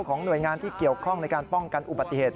หน่วยงานที่เกี่ยวข้องในการป้องกันอุบัติเหตุ